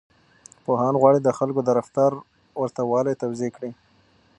پوهان غواړي د خلکو د رفتار ورته والی توضيح کړي.